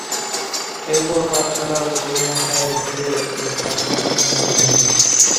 এরপর পাঠশালার গুরুমশায়ের গৃহে একটি শ্রাদ্ধ-অনুষ্ঠানের দিন এল।